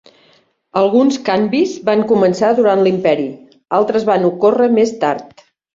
Alguns canvis van començar durant l'imperi, altres van ocórrer més tard.